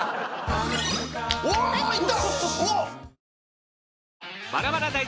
おおいった！